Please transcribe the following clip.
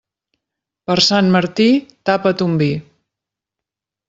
Per Sant Martí, tapa ton vi.